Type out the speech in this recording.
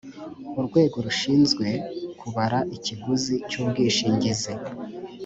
urwego rushinzwe kubara ikiguzi cy’ubwishingizi